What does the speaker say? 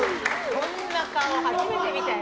こんな顔初めて見たよ。